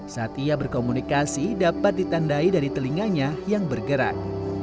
saat ia berkomunikasi dapat ditandai dari telinganya yang bergerak